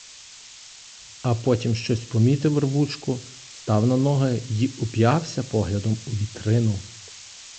А потім щось помітив, рвучко став на ноги й уп'явся поглядом у вітрину.